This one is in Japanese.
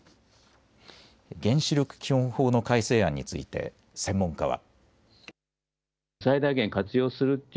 原子力基本法の改正案について専門家は。